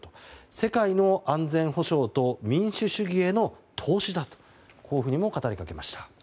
世界の安全保障と民主主義への投資だとも語りかけました。